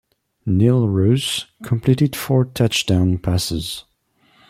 Neil Rose completed four touchdown passes.